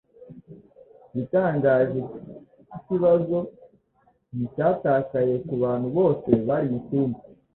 Igitangaje cyikibazo nticyatakaye kubantu bose bari mucyumba.